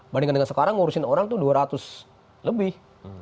bandingkan dengan sekarang ngurusin orang itu dua ratus lebih